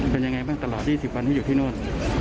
เป็นอย่างไรไหมตลอดที่๑๐วันที่อยู่ที่โน่น